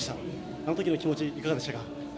あのときの気持ちいかがでしたか？